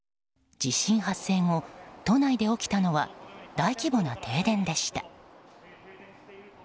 地震発生後、都内で起きたのは大規模な停電でした。